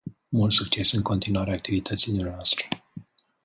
Mult succes în continuarea activității dvs.